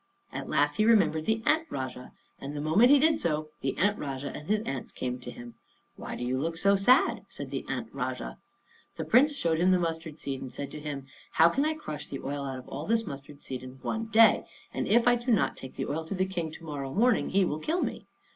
At last he remembered the Ant Rajah, and the moment he did so, the Ant Rajah and his ants came to him. "Why do you look so sad?" said the Ant Rajah. The Prince showed him the mustard seed, and said to him, "How can I crush the oil out of all this mustard seed in one day? And if I do not take the oil to the King to morrow morning, he will kill me."